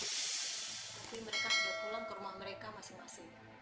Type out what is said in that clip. tapi mereka sudah pulang ke rumah mereka masing masing